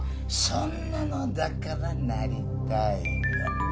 そんなのだからなりたいの。